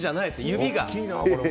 指が。